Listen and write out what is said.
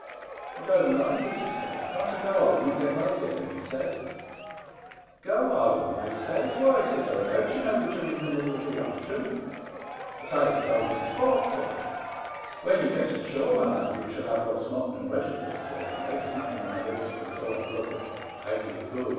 "* I don't like it,' he says ;' can't I go home and get my dinner ?* he says. Go home f * I says, ' why,' says I, ' don't ye know that you're in the middle of the ocean ? A sailor's home's his fork'sle. When ye get's ashore, my lad, ye shall have roast mutton and wegetables,' says I, smack ing my lips with a sort of look of * ain't it good